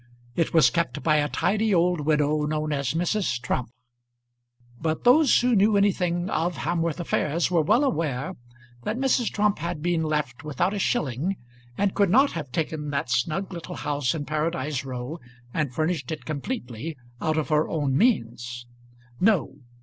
It was kept by a tidy old widow known as Mrs. Trump; but those who knew anything of Hamworth affairs were well aware that Mrs. Trump had been left without a shilling, and could not have taken that snug little house in Paradise Row and furnished it completely, out of her own means. No.